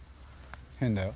変だよ。